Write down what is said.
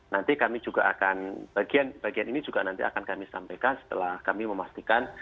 nanti kami juga akan bagian bagian ini juga nanti akan kami sampaikan setelah kami memastikan